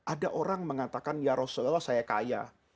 ada orang mengatakan ya rasulullah saya kaya